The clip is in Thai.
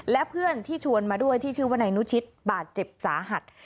และเพื่อนที่ชวนมาด้วยที่ชื่อว่านายนุชิตบาดเจ็บสาหัส